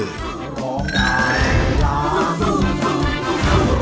ร้องได้ให้ล้าน